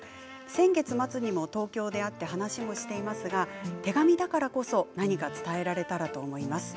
先月末にも東京で会って話しもしていますが手紙だからこそ何か伝えられたらと思います。